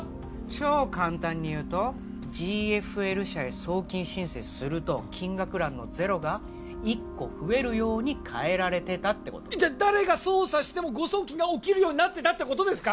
超簡単に言うとＧＦＬ社へ送金申請すると金額欄のゼロが１個増えるように変えられてたってことじゃ誰が操作しても誤送金が起きるようになってたってことですか！？